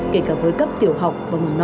kể cả với cấp tiểu học